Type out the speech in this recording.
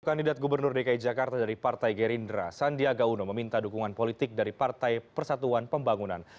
kandidat gubernur dki jakarta dari partai gerindra sandiaga uno meminta dukungan politik dari partai persatuan pembangunan